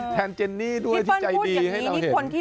แทนเจนนี่ด้วยที่ใจดีให้เราเห็นพี่เปิ้ลพูดอย่างนี้